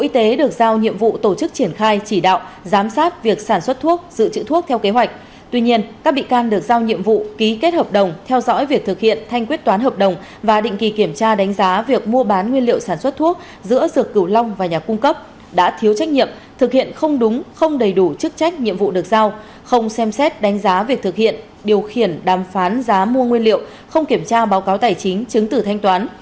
tuy nhiên các bị can được giao nhiệm vụ ký kết hợp đồng theo dõi việc thực hiện thanh quyết toán hợp đồng và định kỳ kiểm tra đánh giá việc mua bán nguyên liệu sản xuất thuốc giữa dược cửu long và nhà cung cấp đã thiếu trách nhiệm thực hiện không đúng không đầy đủ chức trách nhiệm vụ được giao không xem xét đánh giá việc thực hiện điều khiển đàm phán giá mua nguyên liệu không kiểm tra báo cáo tài chính chứng tử thanh toán